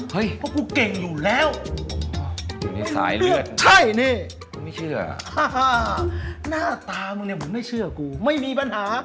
เพราะกูเก่งอยู่แล้ว